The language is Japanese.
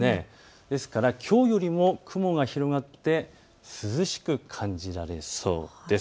ですから、きょうよりも雲が広がって涼しく感じられそうです。